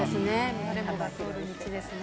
誰もが通る道ですよね。